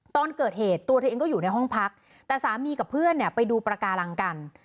ตอนเกิดเหตุตัวเธอเองก็อยู่ในห้องพักแต่สามีกับเพื่อนเนี่ยไปดูประการังกัน